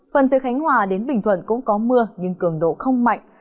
phần từ khánh hòa đến bình thuận cũng có mưa nhưng cường độ không mạnh